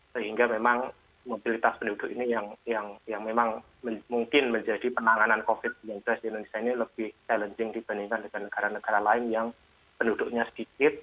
sehingga memang mobilitas penduduk ini yang memang mungkin menjadi penanganan covid sembilan belas di indonesia ini lebih challenging dibandingkan dengan negara negara lain yang penduduknya sedikit